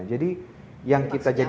jadi yang kita jadi